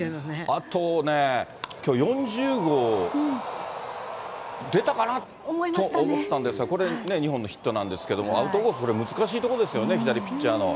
あとね、きょう４０号出たかなと思ったんですが、これね、２本のヒットなんですけれども、アウトコースで、難しいところですよね、左ピッチャーの。